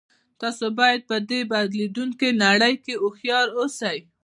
تاسې باید په دې بدلیدونکې نړۍ کې هوښیار اوسئ